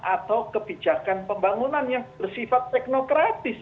atau kebijakan pembangunan yang bersifat teknokratis